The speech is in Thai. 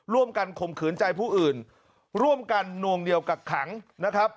ข่มขืนใจผู้อื่นร่วมกันนวงเหนียวกักขังนะครับ